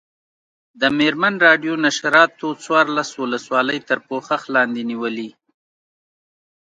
د مېرمن راډیو نشراتو څوارلس ولسوالۍ تر پوښښ لاندې نیولي.